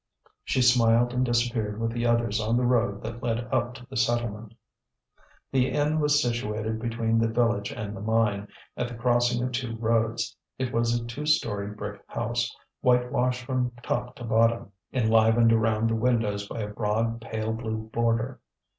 She smiled and disappeared with the others on the road that led up to the settlement. The inn was situated between the village and the mine, at the crossing of two roads. It was a two storied brick house, whitewashed from top to bottom, enlivened around the windows by a broad pale blue border.